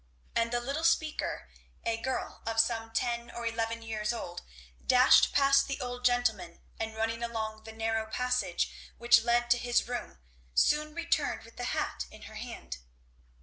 And the little speaker, a girl of some ten or eleven years old, dashed past the old gentleman and running along the narrow passage which led to his room soon returned with the hat in her hand.